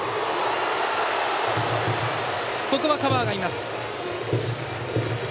ここはカバーがいます。